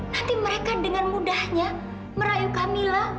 hati mereka dengan mudahnya merayu kamila